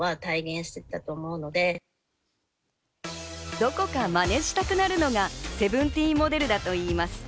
どこかまねしたくなるのが『Ｓｅｖｅｎｔｅｅｎ』モデルだといいます。